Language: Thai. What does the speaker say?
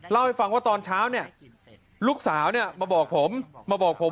เล่าให้ฟังว่าตอนเช้าลูกสาวมาบอกผม